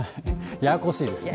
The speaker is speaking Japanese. ややこしいですね。